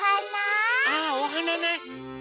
あおはなね！